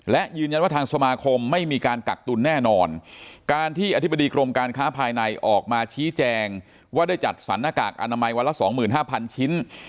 และยืนยันว่าทางสมาคมไม่มีการกักตุลแน่นอนการที่อธิบดีกรมการค้าภายในออกมาชี้แจงว่าได้จัดสรรหน้ากากอนามัยวันละสองหมื่นห้าพันชิ้น